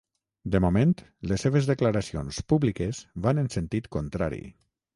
De moment, les seves declaracions públiques van en sentit contrari.